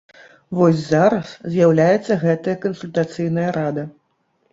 Вось зараз з'яўляецца гэтая кансультацыйная рада.